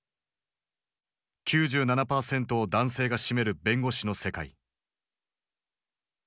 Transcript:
９７％を男性が占める弁護士の世界。